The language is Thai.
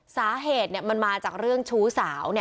สาเหตุมันมาจากเรื่องชู้สาว